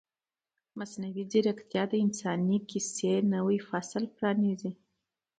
مصنوعي ځیرکتیا د انساني کیسې نوی فصل پرانیزي.